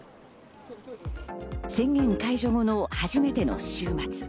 宣言解除後の初めての週末。